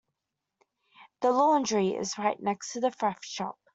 The laundry is right next to the thrift shop.